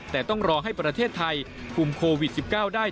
แต่ต้องรอให้ประเทศไทยคุมโควิด๑๙ได้